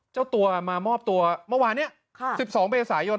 เจ้าตัวมามอบตัวเมื่อวานนี้๑๒เมษายน